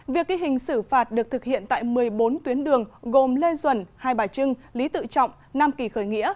việc ghi hình xử phạt được thực hiện tại một mươi bốn tuyến đường gồm lê duẩn hai bà trưng lý tự trọng nam kỳ khởi nghĩa